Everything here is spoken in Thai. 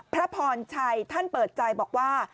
พระพรชัยท่านเปิดใจบอกว่า